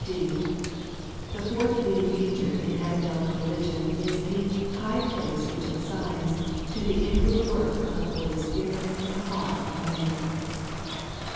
(d) The fourth leading feature in Evangelical Eeligion is the high place which it assigns to the inward work of the Holy Spirit in the heart of man.